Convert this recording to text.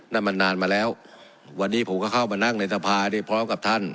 นั่นมันนานมาแล้ววันนี้ผมก็เข้ามานั่งในสภาได้พร้อมกับท่าน